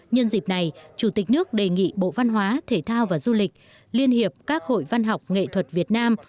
nhân dịp này chủ tịch nước đề nghị bộ văn hóa thể thao và du lịch liên hiệp các hội văn học nghệ thuật việt nam